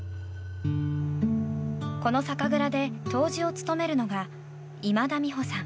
この酒蔵で杜氏を務めるのが今田美穂さん